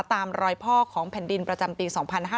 ตามรอยพ่อของแผ่นดินประจำปี๒๕๕๙